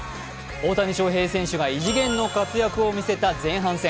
大谷翔平選手が異次元の活躍を見せた前半戦。